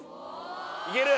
いける？